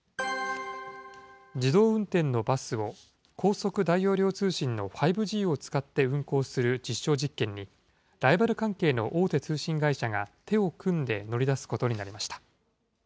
自動運転のバスを高速・大容量通信の５Ｇを使って運行する実証実験に、ライバル関係の大手通信会社が手を組んで乗り出すことになりました。